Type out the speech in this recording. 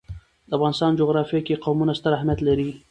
د افغانستان جغرافیه کې قومونه ستر اهمیت لري.